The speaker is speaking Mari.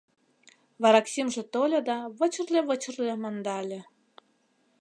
Вараксимже тольо да «вычырле-вычырле» мандале